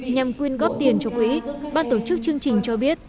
nhằm quyên góp tiền cho quỹ ban tổ chức chương trình cho biết